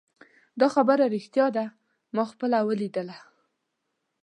دا خبره ریښتیا ده ما پخپله ولیدله